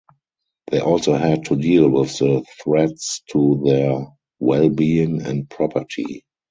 They also had to deal with the threats to their wellbeing and property.